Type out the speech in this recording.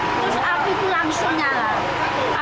terus api itu langsung nyala